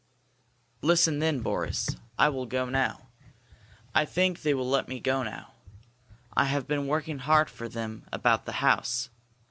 "Listen, then, Boris. I will go now. I think they will let me go now. I have been working hard for them about the house.